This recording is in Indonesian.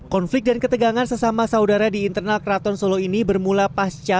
konflik dan ketegangan sesama saudara di internal keraton solo ini bermula pasca